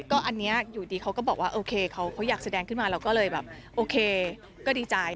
ก็อันนี้อยู่ดีเขาก็บอกว่าโอเคเขาอยากแสดงขึ้นมาเราก็เลยแบบโอเคก็ดีใจ